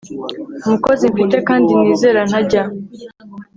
mukozi mfite kandi nizera ntajya